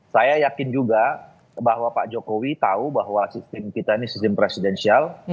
saya yakin juga bahwa pak jokowi tahu bahwa sistem kita ini sistem presidensial